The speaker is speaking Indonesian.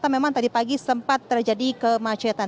memang tadi pagi sempat terjadi kemacetan